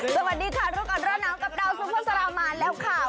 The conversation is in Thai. สวัสดีค่ะร่วมกันร่วมน้ำกับดาวสมพสรรค์มาแล้วค่ะ